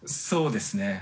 そうですね。